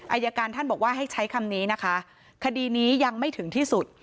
อายการท่านบอกว่าให้ใช้คำนี้นะคะคดีนี้ยังไม่ถึงที่สุด